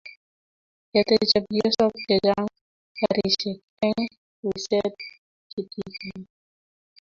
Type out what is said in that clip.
kete chepyosok chechang' karisiek eng' wiset kitigen